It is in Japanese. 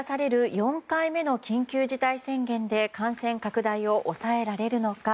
４回目の緊急事態宣言で感染拡大を抑えられるのか。